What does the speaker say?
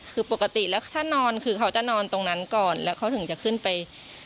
คือปกติแล้วถ้านอนคือเขาจะนอนตรงนั้นก่อนแล้วเขาถึงจะขึ้นไป